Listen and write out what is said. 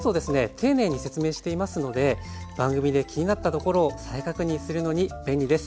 丁寧に説明していますので番組で気になったところを再確認するのに便利です。